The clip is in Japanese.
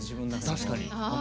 確かに。